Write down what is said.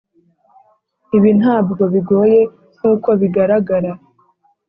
ibi ntabwo bigoye nkuko bigaragara.